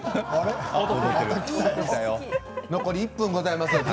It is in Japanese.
残り１分でございます。